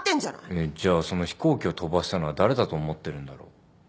えっじゃあその飛行機を飛ばしたのは誰だと思ってるんだろう？